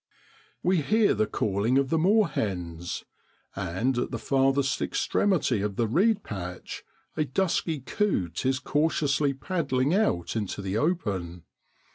We hear the calling of the moorhens, and at the farthest extremity of the reed patch a dusky coot is cautiously paddling out into the open.